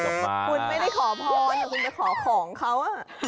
คุณไม่ได้ขอพรแต่คุณไปขอของเขา